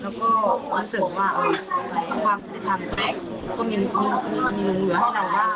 แล้วก็รู้สึกว่าอื้อความที่จะทำก็มีนุนเงี่ยให้เราบ้าง